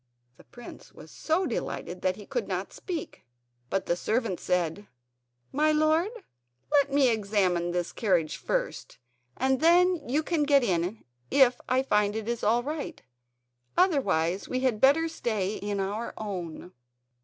The prince was so delighted that he could not speak. But the servant said: "My lord, let me examine this carriage first and then you can get in if I find it is all right; otherwise we had better stay in our own."